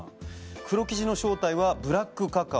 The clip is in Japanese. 黒生地の正体はブラックカカオ。